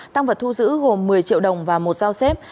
tăng vật thu giữ gồm một mươi triệu đồng và một giao xếp